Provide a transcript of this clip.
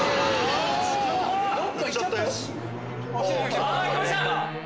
あっ来ました！